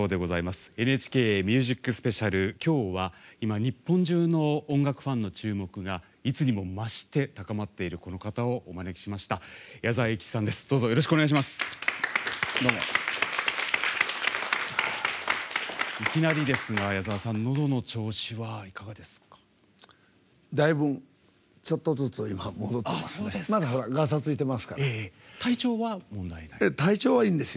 いきなりですが、矢沢さんのどの調子は、いかがですか？